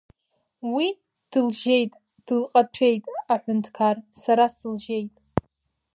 Уи дылжьеит, дылҟаҭәеит аҳәынҭқар, сара сылжьеит.